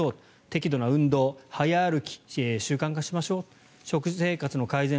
適度な運動、早歩き習慣化しましょう食生活の改善